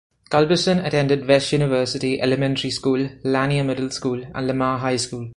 Culberson attended West University Elementary School, Lanier Middle School, and Lamar High School.